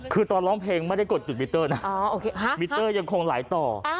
คือตอนร้องเพลงไม่ได้กดจุดมิเตอร์นะมิเตอร์ยังคงไหลต่อ